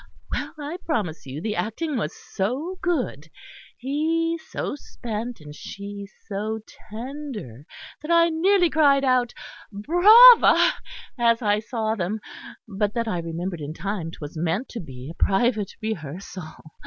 Well, I promise you, the acting was so good he so spent and she so tender that I nearly cried out Brava as I saw them; but that I remembered in time 'twas meant to be a private rehearsal.